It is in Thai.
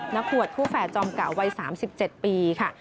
ขวดคู่แฝดจอมเก่าวัย๓๗ปีค่ะ